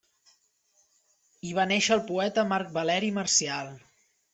Hi va néixer el poeta Marc Valeri Marcial.